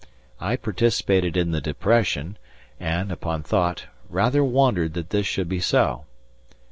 I participated in the depression and, upon thought, rather wondered that this should be so.